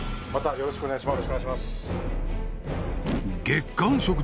よろしくお願いします